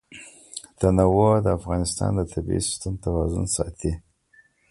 تنوع د افغانستان د طبعي سیسټم توازن ساتي.